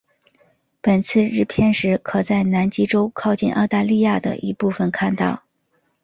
本次日偏食可在南极洲靠近澳大利亚的一部分看到。